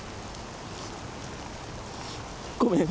ごめん。